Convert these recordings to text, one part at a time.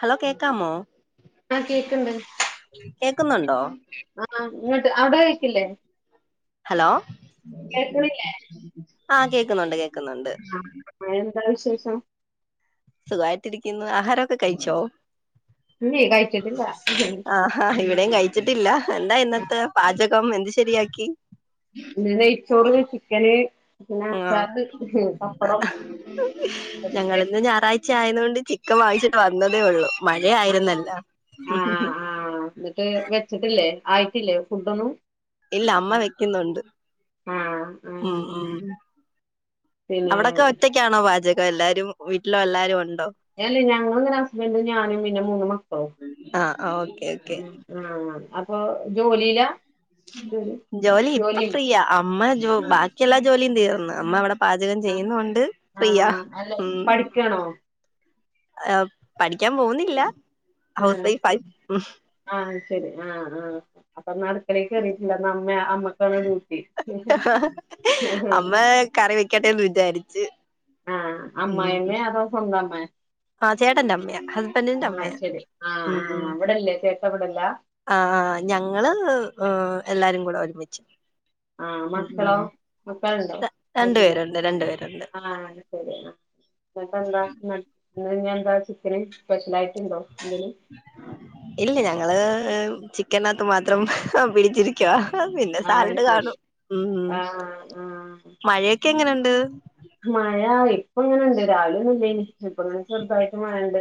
Hello കേക്കാമോ? ആഹ് കേക്ക്ണ്ട് കേക്കുന്നുണ്ടോ ആഹ് ഇങ്ങെട്ട് അയുടെ കേക്ക് ഇല്ലെ? ഹലോ ആഹ് കേക്കുന്നുണ്ട്. കേക്കുന്നുണ്ട്. എന്തെല്ലാം വിശേഷം സുഖമായിട്ടരിക്കുന്നു ആഹാരമൊക്കെ കഴിച്ചോ [unintelligible] ഇന്ന് ആഹ് ഹ ഇവിടെയും കഴിച്ചിട്ടില്ല എന്താ ഇന്നത്തെ പാചകം എന്ത് ശരിയാക്കി ഇന്ന് നെയ്ച്ചോറ് ചിക്കന് പിന്നെ ആഹ് അച്ചാറ് പപ്പടം ഞങ്ങളിന്ന് ഞായറാഴ്ച ആയതൊണ്ട് ചിക്കൻ വാങ്ങിച്ചിട്ട് വന്നതേ ഉള്ളൂ ആണോ മഴയായിരുന്നല്ല ആഹ് ആഹ് എന്നിട്ട് വെച്ചിട്ടില്ലേ ആയിട്ടില്ലേ ഫുഡ് ഒന്നും ഇല്ല അമ്മ വെക്കുന്നുണ്ട് ആഹ് ആഹ് മ്മ് മ്മ് പിന്നെ അവിടൊക്കെ ഒറ്റക്കാണോ പാചകം എല്ലാരും വീട്ടിലും എല്ലാവാരും ഉണ്ട് അല്ല ഞങ്ങളങ്ങനെ ഹസ്ബൻഡും ഞാനും പിന്നെ മൂന്നു മക്കളും ആ ഓക്കെ ഓക്കെ ആഹ് അപ്പൊ ജോലിയില ജോലി ഇപ്പൊ ഫ്രീയ അമ്മ ആഹ് ബാക്കി എല്ലാ ജോലിയും തീർന്ന് അമ്മ അവിടെ പാചകം ചെയ്യുന്നൊണ്ട് ഫ്രീയാ ആഹ് അല്ല മ്മ് പഠിക്കാണോ ആഹ് പഠിക്കാൻ പോകുന്നില്ല ഹൗസ് ആഹ് വൈഫാ ആഹ് ശരി ആഹ് ആഹ് അപ്പൊന്ന് അടുക്കളേൽ കേറീട്ടില്ല ഇന്ന് അമ്മ അമ്മക്കാണ് ഡ്യൂട്ടി അമ്മ കറി വെക്കട്ടെ വിചാരിച്ചു ആഹ് അമ്മായിയമ്മയോ അതോ സ്വന്തം അമ്മയാ ആ ചേട്ടന്റെ അമ്മയാ ഹസ്ബൻഡിന്റെ ആഹ് അമ്മയാ ശരി ആഹ് ആഹ് ഇവിടല്ലേ ചേട്ടൻ ഇവിടല്ല ആഹ് ഞങ്ങള് എല്ലാരും കൂടെ ഒരുമിച്ച് ആഹ് ഉം ഉം മക്കളോ മക്കളുണ്ടോ രണ്ടു ആയിട്ടില്ല പേരുണ്ട് രണ്ടു പേരുണ്ട് ആഹ് ശരി എന്നാ പിന്നെന്താ ഇന്നിനി എന്താ ചിക്കന് സ്പെഷ്യൽ ആയിട്ട് ഇല്ല ഞങ്ങള് ഹ് ഹ് ചിക്കനകത്ത് മാത്രം പിടിച്ചിരിക്കുവ പിന്നെ ആഹ് സാലഡ് ശരി കാണും മ്മ് ആഹ് ആഹ് മഴയൊക്കെ എങ്ങനെയുണ്ട് മഴ ഇപ്പ ഇങ്ങനുണ്ട് രാവിലെ ഒന്നും ഇല്ല ഇനി ഇപ്പങ്ങനെ ചെറുതായിട്ട് മഴയുണ്ട്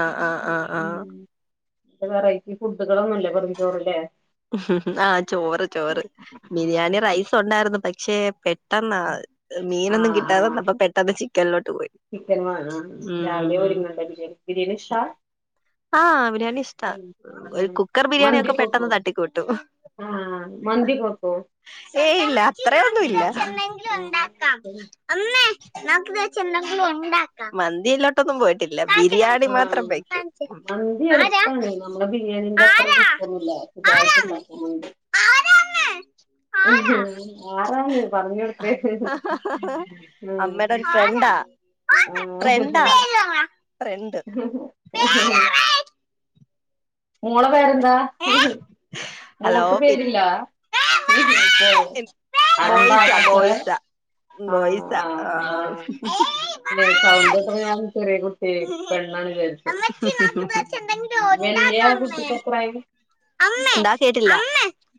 ആഹ് ആഹ് ആഹ് ആഹ് പിന്നെ വെറൈറ്റി ഫുഡുകള് ഒന്നുമില്ലേ വെറും ചോറ് ല്ലേ ആഹ് ചോറ് ചോറ് ബിരിയാണി ആഹ് റൈസ് ഉണ്ടായിരുന്നു പക്ഷെ പെട്ട പെട്ടെന്നാ മീനൊന്നും ആഹ് കിട്ടാതെ ആഹ് വന്നപ്പോ പെട്ടെന്ന് ചിക്കനിലോട്ട് പോയി ചിക്കൻ വാങ്ങ ഉം രാവിലെ ഉം ഒരുങ്ങണ്ട ബിരിയാണി ബിരിയാണി ഇഷ്‌ടാ ആഹ് ബിരിയാണി ഇഷ്ട ഒരു ഉം കുക്കർ ബിരിയാണി ഒക്കെ മന്തിയൊക്കെ വെക്കോ പെട്ടെന്ന് തട്ടിക്കൂട്ടും ആഹ് മന്തി ബെക്കും ഏയ് ഇല്ല അത്രെ ഒന്നും ഇല്ല മന്തിയിലോട്ടൊന്നും പോയിട്ടില്ല ബിരിയാണി ആഹ് മാത്രം വെക്കും മന്തി ആരാ എളുപ്പാണ് നമ്മളെ ബിരിയാണിന്റെ അത്ര ആരാ റിസ്കൊന്നൂല്ല സുഖായിട്ട് ഉണ്ടാക്കാം ആരാ ആരാ മന്തി ആരാണ് പറഞ്ഞ് കൊടുത്തേ അമ്മയുടെ മ്മ് ഒരു ഫ്രണ്ടാ ഫ്രണ്ടാ ഫ്രണ്ട് മോളെ പേരെന്താ ഹലോ മോൾക്ക് പിന്നെ പേരില്ലാ മ് പോയോ അലമ്പാ ബോയ്സാ കച്ചറേ ബോയ്സാ ആഹ് ബോയ്സാ ആഹ് ആ ആഹ് പിന്നെ സൗണ്ട് കേട്ടപ്പൊ ഞാ ചെര്യേ കുട്ട്യേ പെണ്ണാണ് വിചാരിച്ചു അമ്മച്ചി വല്യ കുട്ടിക്ക് എത്രായി [inaudible] എന്താ കേട്ടില്ല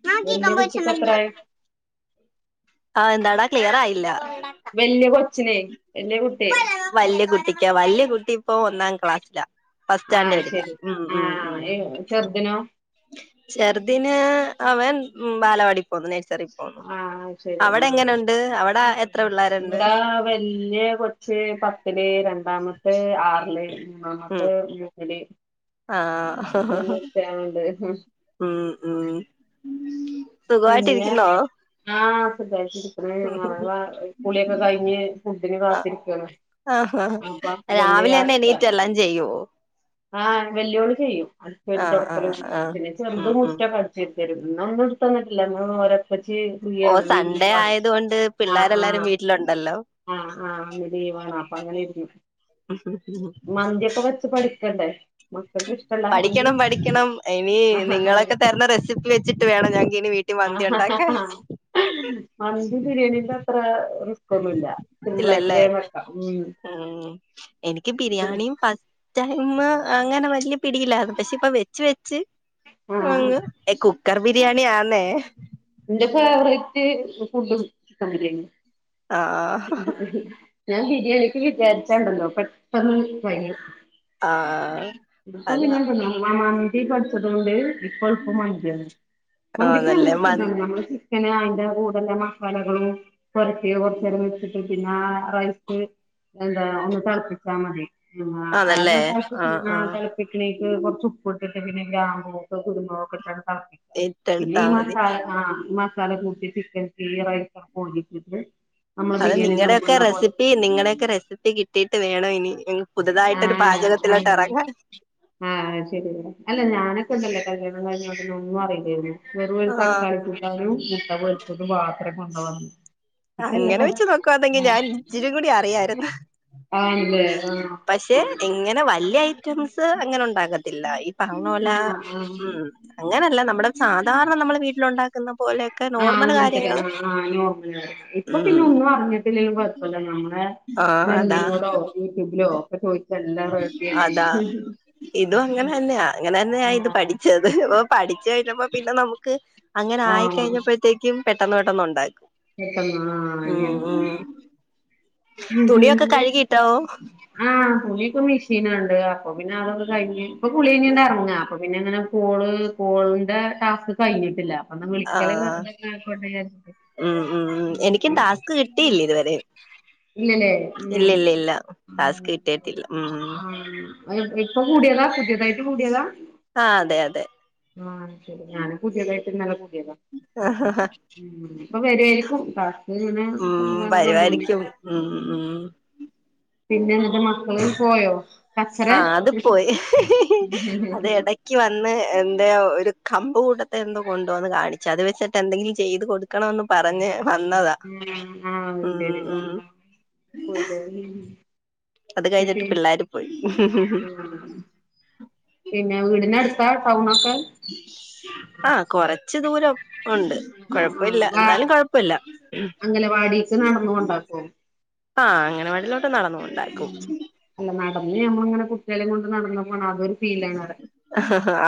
നോക്കി വെല്യേ കൊമ്പോച്ച് കുട്ടിക്കെത്രായി ആഹ് എന്താടാ ക്ലിയറായില്ല. വല്ല്യേ കൊച്ചിനെ വല്ല്യേ കുട്ട്യേ വല്യ കുട്ടിക്കാ വല്യ കുട്ടി ഇപ്പൊ ഒന്നാം ക്ലാസ്സിലാ ആഹ് ഫസ്റ്റാന്റെഡിലാ ശരി മ് മ് മ് ആഹ് ചെറുതിനോ ചെർദിന് അവൻ മ് ബാലവാടി പോന്നു നെസ് ആഹ് ശെരി ആഹ് അവിടെ എത്ര പിള്ളേരുണ്ട് ഇവിടാ വല്ല്യേ കൊ ച്ച് പത്തില് രണ്ടാമത്തെ ആർല് ഉം മൂന്നാമത്തെ മൂന്നില്. ആ മൂന്നുകുട്ടികളുണ്ട് മ് മ് പിന്നെ ആഹ് സുഖായിട്ടിരി കുളി ഒക്കെ കഴിഞ്ഞ് ഫുഡിന് ആ കാത്തിരിക്കാണ്. ആഹ് അപ്പൊ ഇവന്റെ രാവിലെന്നെ അച്ഛ എണീറ്റ് എല്ലാം ചെയ്യോ? ആഹ് വെല്ല്യോള് ചെയ്യും അടിച്ചോരി ആഹ് തൊടക്കലും ആഹ് പിന്നെ ചെർത് ഉം ഉം മുറ്റൊക്കെ അടിച്ചോരും ന്ന് ഒന്നും ഇട്ത്തന്നിട്ടില്ല ന്ന് ഓലൊക്കെ ച്ച് ഫ്രീ ഓ യാണ് സൺഡേ ലീവാണ്. ആയതുകൊണ്ട് പിള്ളേരെല്ലാരും വീട്ടിലുണ്ടല്ലോ ആഹ് ആഹ് ഇന്ന് ലീവാണ് അപ്പ അങ്ങനെ ഇര്ന്നു. മന്തിയൊക്കെ വെച്ച് പഠിക്കണ്ടെ പഠിക്കണം പഠിക്കണം ഇനി നിങ്ങളൊക്കെ തര്ന്ന റെസിപ്പി വെച്ച്ട്ട് വേണം ഞങ്ങക്ക് ഇനി വീ വീട്ടി മന്തി ഉണ്ടാകാൻ മന്തി ബിരിയാണിന്റത്ര റിസ് ക്കൊന്നുല്ല സിമ്പ്ളായിട്ട് ഇല്ലല്ലേ വേം വെക്കാ മ് ക്ക് ബിരിയാണീം ഫസ്റ്റ് ടൈമ് അങ്ങനെ വല്ല്യേ പിടില്ലായിര്ന്ന പക്ഷെ പ്പ വെച്ച് വെച്ച് ആഹ് അങ്ങ് കുക്കർ ബിരിയാണി ആന്നേ ഇന്റെ ഫേവറേറ്റ് ഫുഡും ചിക്കൻ ബിരിയാണ്യാ ആ ഞാൻ ബിരിയാണിക്ക് വിചാരിച്ചാണ്ടല്ലോ പെട്ടെന്ന് കയ്യും ആഹ് [unintelligible] അതാ ഇപ്പയീ പട്ച്ചതോണ്ട് ഇപ്പള്പ്പം മന്ത്യാണ് മന്തിക്ക് ആന്നല്ലേ നല്ല മ സുഖാണ്. പിന്നെ അയിന്റെ കൂടെല്ല മസാലകളും പെർക്കി കൊ ർചേരാം വെച്ച്ട്ട് പിന്നെ റൈസ് എന്താ ഒന്ന് തെളപ്പിച്ചാ മതി. ആ ആന്നല്ലേ ആഹ് ആഹ് [unintelligible] തൾപ്പിക്ക്ണീ ക്ക് കൊർച്ച്പ്പ്ട്ട്ട്ട് പിന്നെ ഗ്രാമ്പോക്കെ കുരുമൊളൊകൊക്കെട്ടങ്ങട്ട് തെൾപ്പിക്കാ പിന്നെ ഏറ്റെടുത്താ ഈ മതി മസാല ആഹ് മസ് മസാലക്കൂട്ടി ചിക്കൻക്കീ റൈസങ്ങട്ട് കോരിട്ട്ട്ട് അത് നിങ്ങടെക്കെ റെസിപ്പി നിങ്ങടെക്കെ റെസിപ്പി കിട്ടീട്ട് വേണ ഇനി പുതുതായിട്ടൊരു ആഹ് പാചകത്തിലോട്ട് ഇറങ്ങാൻ ആ ആഹ് ശെരി അല്ല അല്ല ഞാനെക് ക്കണ്ടല്ലോ കല്യാണം കൈഞ്ഞ ഒന്നും അറീല്ലെന്നു വെറു ഒരു ആഹ് തക്കാളി കൂട്ടാനും മുട്ട പൊരിച്ചതും മാത്രം കൊണ്ടാ വന്നേ അങ്ങനെ വെച്ച് നോക്കുവാന്നെങ്കി ഞാൻ ഇച്ചിരീം കൂടി അറിയാര്ന്നു. ആണ് ല്ലേ ആ ഏ ഇങ്ങനെ വല്ല്യേ ഐറ്റംസ് അങ്ങനെ ഉണ്ടാക്കത്തില്ല ഈ പറഞ്ഞ പോലാ ആഹ് ആഹ് മ് അങ്ങനല്ല നമ്മുടെ സാധാരണ നമ്മള് വീട്ടിലൊണ്ടാക്ക്ന്ന പോലെയൊക്കെ നോർമല് കാര്യങ്ങള് ഇപ്പ പിന്നെ ഉം ഒന്നും അറിഞ്ട്ടില്ലെങ്കിലും കൊയപ്പല്ലല്ലോ നമ്മടെ ആഹ് അതാ ജെമിനിനോടോ യൂട്യൂബിലോ ഒക്കെ ചോയിച്ച എല്ലാം റെഡ്യായി അതാ ഇതും അങ്ങനെ തന്നെയാ അങ്ങനെന്നെയാ ഇത് പഠിച്ചത് അപ്പൊ പഠിച്ച് കഴിഞ്ഞപ്പോ പിന്നെ നമുക്ക് അങ്ങനെ ആഹ് ആയിക്കഴിഞ്ഞപ്പഴത്തേക്കും പെട്ടന്ന് പെട്ടന്നു ണ്ടായി പെട്ടെന്നാ ആയീത് തുണിയൊക്ക കഴുകിയിട്ടോ ആഹ് തുണിയിപ്പ മെഷീനാണ്ട് അപ്പോ പിന്നെ അതൊക്ക കഴിഞ്ഞ് ഇപ്പ കുളി കഴിഞ്ഞീണ്ടെറങ്ങാ അപ്പൊ പിന്നെയങ്ങനെ കോള് കോളിന്റ ടാസ്ക് കഴിഞ്ഞി ട്ടില്ലാ അപ്പന്നാ വിളിക്കല് ആഹ് [unintelligible] ആയിക്കോട്ടെ വിചാരിച്ച് ഉം ഉം ഉം എനിക്കും ടാസ്ക് കിട്ടീല്ലിതുവരെ ഇല്ലല്ലേ ഉം ഇല്ലില്ലില്ല. ടാസ്ക് കിട്ടിയട്ടില്ല ഉം. അയ്യോ ഇപ്പൊ കൂടിയതാ പുതിയതായിട്ട് കൂടിയതാ ആഹ് അതെയതെ ആഹ് ശരി ഞാനും പുതിയതായി ഇന്നലെ കൂടിയതാണ് ഇപ്പോ വരുമായിരിക്കും ടാസ്ക് ഇങ്ങനെ ഉം വന്നോണ്ടി ഉം ഉം പിന്നെന്നിട്ട് മക്കള് പോയോ കച്ചറ ആഹ് അത് പോയി അത് ഇടക്ക് വന്ന് എൻ്റേ ഒരു കമ്പ് കൂട്ടത്തെ എന്തോ കൊണ്ടുവന്ന് കാണിച്ചത് വെച്ചട്ടെന്തെങ്കിലും ചെയ്ത് കൊടുക്കണവെന്ന് പറഞ്ഞ് വന്നതാ ആഹ് ആഹ് അത് ഉം ശരി ഉം ആഹ് പോയില്ലേ അത് [unintelligible] കഴിഞ്ഞിട്ട് പിൻ പിള്ളേര് പോയി ആഹ് പിന്നെ വീടിനടുത്ത് താ ടൗണൊക്കെ ആഹ് കൊറച്ച് ദൂരം ഒണ്ട് കൊഴപ്പ ഇല്ല എന്നാലും കൊഴപ്പ ഇല്ല അംഗൻവാടിയലേക്കു നടന്ന് കൊണ്ടാക്കുവോ ആഹ് അങ്ങനവാടീലോട്ട് നടന്നു കൊണ്ടാക്കും അന്ന് ഞമ്മളിങ്ങനെ കുട്ടികളേം കൊണ്ട് നടന്ന് പോണ അതൊരു ഫീലാണ് അറ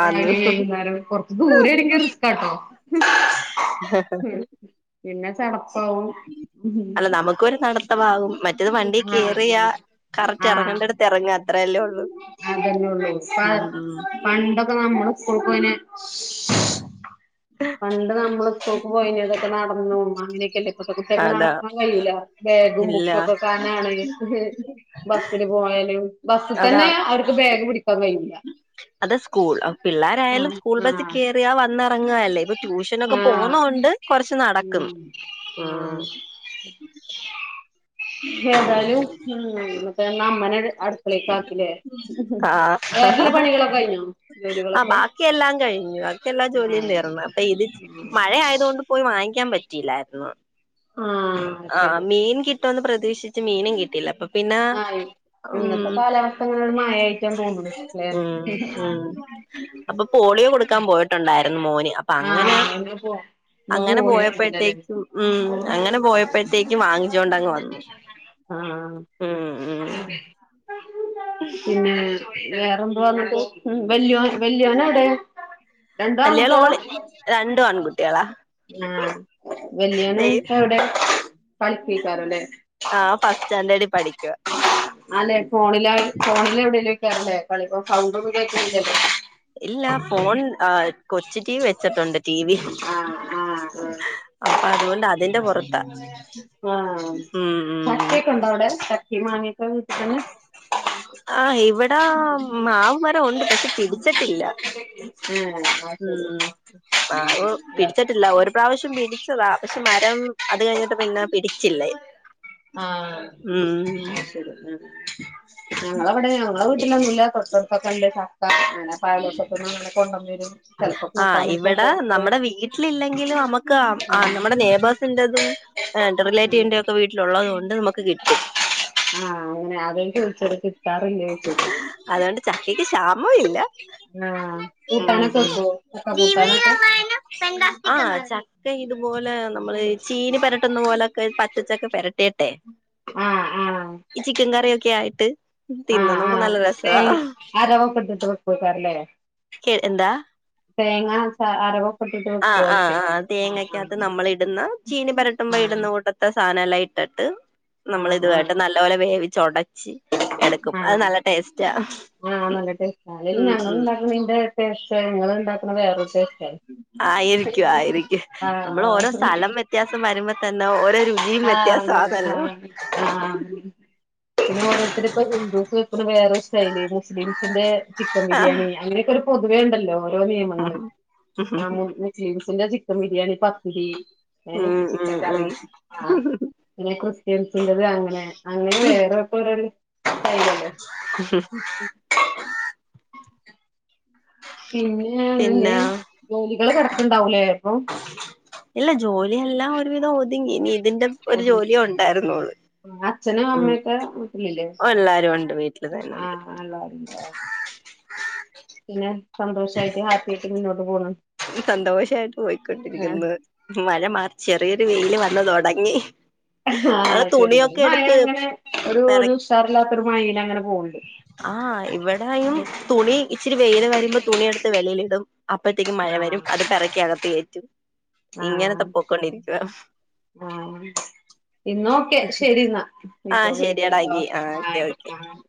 ആന്ന് രാവിലെ വൈകുന്നേരം കൊറച്ച് ദൂരേണെങ്കി റിസ്കാട്ടോ പിന്നെ ചടപ്പാവും റ്റത് വണ്ടീ ആഹ് കേറിയാ അതെ കറക്റ്റ് ആഹ് എറങ്ങേണ്ടടുത്ത് എറങ്ങാ അത്രയല്ലേ ഒള്ളൂ അതന്നൊള്ളൂ ഉം ഉം പണ്ടൊക്കെ നമ്മള് സ്കൂൾ പോയിന് പണ്ട് നമ്മള് സ്കൂൾക്ക് പോയിനതൊക്കെ നട നടന്നും അങ്ങനൊക്കെയല്ലേ ഇപ്പത്തെ കുട്ടിയാക്ക് അതാ നടക്കാൻ കഴിയൂല ബേഗും ഇല്ല ബുക്കൊക്ക് കനാണ് ബസില് പോയാലും അതാ ബസ്സിത്തന്നെ അവര്ക്ക് ബാഗ് പിടി ക്കാൻ കയ്യൂല അത് സ്കൂൾ അ പിള്ളാരായാലും സ്കൂൾ ബസ്സി ആഹ് കേറിയാ വന്നെറങ്ങ് അല്ലേ ഇപ്പൊ ട്യൂഷനൊക്ക പോന്ന ആഹ് കൊണ് ണ്ട് കൊറച്ച് നടക്കും ഉം ഉം ആഹ് ഏതായാലും ഉം പേ ഇന്നഅമ്മനേ അടുക്കലയിലേക്ക് ആക്കി ആഹ് വേറെയുള്ള ജോലികൾ എല്ലാം കഴിഞ്ഞോ ആഹ് ബാക്കിയെല്ലാം കഴിഞ്ഞു ബാക്കിയെല്ലാ ജോലിയും ആഹ് തീർന്ന് അപ്പയിത് ഉം മഴയായതു കൊണ്ട് പോയി വാങ്ങിക്കാൻ പറ്റിയില്ലായിരുന്നു ആഹ് ആഹ് ശരി മീൻ കിട്ടുവെന്ന് പ്രതീക്ഷിച്ച് മീനും കിട്ടിയില്ല അപ്പൊപ്‌ ആയി ഇന്നത്ത കാലാവസ്ഥ ഇങ്ങനനേണ് മഴേക്കേണെന്ന് തോന്നുന്നു അപ്പ പോളിയോ കൊടുക്കാൻ പോയിട്ടൊണ്ടായിരുന്ന് മോന് അപ്പ അങ്ങന ആഹ് ഇന്ന് പോ ഇന്ന് അങ്ങന പോളിണ്ടല്ലല്ലേ പോയപ്പഴത്തേക്കും ഉം അങ്ങനെ പോയപ്‌ പ്പഴത്തേക്കും വാങ്ങിച്ചോണ്ടങ്ങ് വന്ന് ഉം ഉം പിന്നേ വേറെന്തു വന്നിട്ട് ഉം വല്ല്യോൻ വല്ല്യോനെവിടേ രണ്ടും വല്യാള് ആൺകുട്ടികളാ ഓള് രണ്ടും ആൺകുട്ടികളാ ആഹ് വെല്ല്യോന് ദേ ഇപ്പോ എവിടെ കളിപ്പിക്കാരോല്ലേ ആ ഫസ്റ്റ് സ്റ്റാൻഡേർഡിൽ പഠിക്കുവാ ആല്ലേ ഫോണിലാണ് ഫോണിലെവിടേലൊക്കാറല്ലേ കളീപ്പോ സൗണ്ടൊന്നും കേക്ക്ണില്ലല്ലോ ഇല്ല ഫോൺ ആ കൊച്ചു റ്റീ വി വച്ചിട്ടുണ്ട് ടി വി ആഹ് ആഹ് അപ്പൊ അതുകൊണ്ട് അതിന്റെ പുറത്ത ആഹ് ചക്കയൊക്കെണ്ടോ അവടെ ചക്കേം മാങ്ങിയൊക്കെ വീട്ട്ത്തന്നെ ആഹ് ഇവിടെ മാവ് മരം ഉണ്ട് പക്ഷെ പിടിച്ച് ഇല്ല ഏഹ് അത് ഉം ശരി ഉം അ ഒ ആഹ് പിടിച്ചിട്ടില്ല ഒരു പ്രാവശ്യം പിടിച്ചതാ പക്ഷെ മരം അത് കഴിഞ്ഞിട്ട് പിന്നാ പി ടിച്ചില്ലേ ആഹ് അത് ശരി ആഹ് ഞങ്ങളെവടെ ഞങ്ങളെ വീട്ടിലൊന്നുല്ല കൊറച്ച് ഇപ്പക്ക്ണ്ട് ചക്ക അങ്ങനെ പാലോട്ത്ത്ത്ത്ന്ന്ങ്ങനെ കൊണ്ടേന്നെരും. ആഹ് ഇവിടെ നമ്മടെ വീട്ടിലില്ലെങ്കിലും നമുക്ക് ആഹ് നമ്മുടെ നേബേഴ്സിന്റെതും എന്റെ റിലേറ്റീവിന്റോക്കെ വീട്ടിലുള്ളത് കൊണ്ട് നമുക്ക് കിട്ടും ടിച്ചടക്കി കറി ല്ലേ ച്ച് അതുകൊണ്ട് ചക്കയ്ക്ക് ക്ഷാമം ഇല്ല ആഹ് ഉം കൂട്ടാനൊക്ക വെക്കൊ? ഇഷ്ട്ട കൂട്ടാനൊക്കെ ഉം ആഹ് ചക്ക ഇതുപോൽ ല്ല നമ്മള് ഇ ചീനി പെരട്ടുന്ന പോലൊക്ക പച്ചച്ചക്ക പെരട്ടീട്ടെ ആഹ് ആഹ് ഇച്ചിക്കങ്കറിഒക്കെയായ് ആഹ് തിന്ന്നൊക്ക ആഹ് നല്ല രസാ തേ അരവൊക്കെ ഇട്ടിട്ട് വെക്കോക്കാരല്ലേ ക്കെ എന്താ? തേങ്ങ ച അരവൊക്കെ ഇട്ടിട്ട് ആഹ് വെക്കോയ്ച്ച ആഹ് ആഹ് ആഹ് തേങ്ങക്കത്ത് നമ്മള് ഇട്ന്ന ചീനി മരത്ത് ആഹ് ഇട്ന്ന കൂട്ടത്ത് സാധനല്ലാം ഇട്ടിട്ട് നമ്മള് ആഹ് ആഹ് ഇതുവായിട്ട് നല്ലോലെ വേവിച്ചൊടച്ചി ആഹ് ആ നല്ല ടെ അല്ലല് ഉം ഉം ഞങ്ങള്ണ്ടാക്കുന്നന്റെ ടേ പക്ഷെ ഇങ്ങള്ണ്ടാക്ക്ണെ വേറൊരു ടേസ്റ്റാണ് ആയിരിക്കും ആയിരിക്കും നമ്മള് ഓരോ ആഹ് സ്ഥലം വ്യത്യാസം വരുമ്പോ തന്നെ ഓരോ രുചിയും വ്യത്യാ [unintelligible] രെപ്പോ ഹിന്ദൂസ് വെക്കുന്ന വേറൊരു സ്റൈല് മുസ്‌ലിംസിന്റെ ചിക്കം ബിരിയാണി അങ്ങനക്കൊരു പൊതുവേണ്ടല്ലോ ഓരോ നിയമങ്ങള് മു [unintelligible] ചിക്കൻ ബിരിയാണി പ രി ഏ ഉം ഉം ഉം ചിക്കംകറി ആ പിന്നെ ക്രിസ്ത്യൻ ന്റത് അങ്ങനെ അങ്ങനെ ഉം [unintelligible] സ്റ്റൈലല്ലേ [inaudible] പിന്നെ പിന്നെ [unintelligible] ജോലികള് കെടക്ക്ണ്ടാവൂലേ പ്പൊ? ഇല്ല ജോലിയെല്ലാം ഒരുവിധം ഒത്ങ്ങി ഇനി ഇതിന്റെ ഒരു ജോലിയേ ഉണ്ടായിരുന്നൊള്ളു ഇങ്ങളെ അച്ഛനും അമ്മയൊക്കെ വീട്ടിലില്ലേ എല്ലാരും ഉണ്ട് വീട്ടില് തന്നെണ്ട് ആഹ് [unintelligible] സന്തോഷായിറ്റ് ഹാപ്പി ആയിട്ട് മുന്നോട്ട് പോണ് [unintelligible] സന്തോഷായിട്ട് പോയിക്കൊണ്ടിരിക്ക്ന്ന് ആഹ് മഴ മാ ചെറിയൊരു വെയില് വന്ന് തൊടങ്ങി. ആഹ് ഞങ്ങള് അത് ശരി ഇവടിം തുണിയൊക്കെ മഴ എടുത്ത് അങ്ങനെ ഒരു പെറ ഒര് ഉഷാറില്ലാത്തോര് മഴായി അങ്ങനെ പോവ്ണ്ട് ആഹ് ഇവിടെയും തുണി ഇച്ചിരി വെയില് വരുമ്പോ തുണി എടുത്ത് വെളീല്ടും അപ്പ ത്തേക്കും മഴ ആഹ് വരും അത് പെറക്കി അകത്ത് കേറ്റും ആഹ് ഇങ്ങനെത്ത പൊക്കോണ്ടിരിക്ക ആഹ് ഇന്നാ ഓക്കെ ശരി ന്നാ ആഹ് ഇപ്പം വിളി ശരിയടാ എങ്കി ആഹ് ഓക്കെ ഓക്കെ [inaudible]